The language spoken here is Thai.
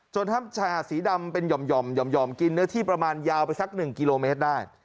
ถ้ำชายหาดสีดำเป็นหย่อมกินเนื้อที่ประมาณยาวไปสัก๑กิโลเมตรได้